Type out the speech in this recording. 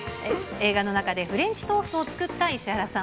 映画の中でフレンチトーストを作った石原さん。